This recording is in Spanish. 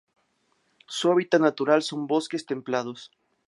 Su hábitat natural son: bosques templados.